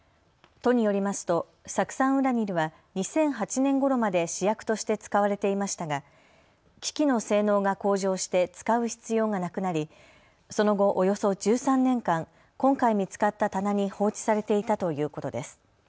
都によりますと酢酸ウラニルは２００８年ごろまで試薬として使われていましたが機器の性能が向上して使う必要がなくなりその後、およそ１３年間今回見つかった棚に放置されていたということです。